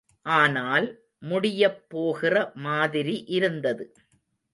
ஆனால், முடியப்போகிற மாதிரி இருந்தது.